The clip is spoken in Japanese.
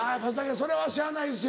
それはしゃあないですよ。